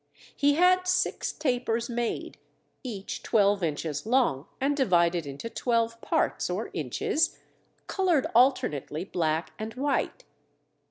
He had six tapers made, each twelve inches long and divided into twelve parts, or inches, colored alternately black and white.